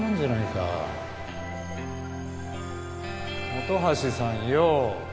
本橋さんよ。